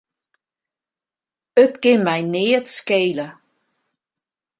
It kin my neat skele.